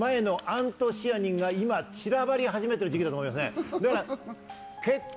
これ、前のアントシアニンが散らばり始めてる時期だと思うんですね。